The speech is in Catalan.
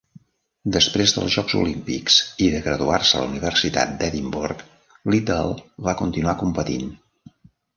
Després dels Jocs Olímpics i de graduar-se a la Universitat d'Edimburg, Liddell va continuar competint.